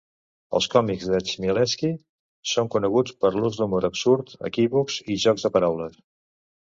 Els còmics de Chmielewski són coneguts per l'ús d'humor absurd, equívocs i jocs de paraules.